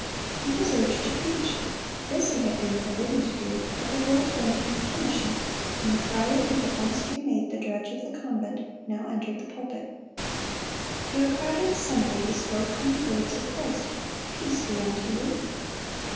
He was urged to preach. This he had been forbidden to do, but the herald granted him permission, and the friar who had once been made the drudge of the convent, now entered the pulpit. To a crowded assembly he spoke from the words of Christ, "Peace be unto you."